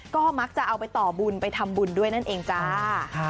ก็มักจะเอาไปต่อบุญไปทำบุญด้วยนั่นเองจ้า